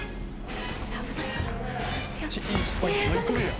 危ないから。